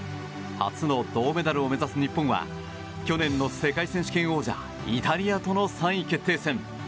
初の銅メダルを目指す日本は去年の世界選手権王者イタリアとの３位決定戦。